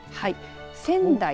仙台。